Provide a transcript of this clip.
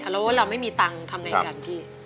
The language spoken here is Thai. แล้วเราไม่มีเงินทำไงกันพี่